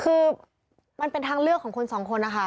คือมันเป็นทางเลือกของคนสองคนนะคะ